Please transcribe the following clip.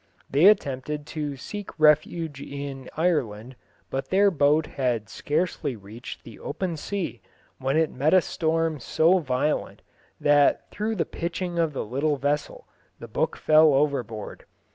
They attempted to seek refuge in Ireland, but their boat had scarcely reached the open sea when it met a storm so violent that through the pitching of the little vessel the book fell overboard.